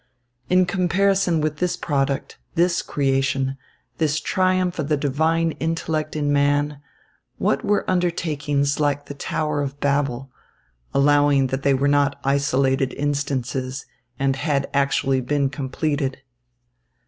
In comparison with this product, this creation, this triumph of the divine intellect in man, what were undertakings like the Tower of Babel, allowing that they were not isolated instances and had actually been completed.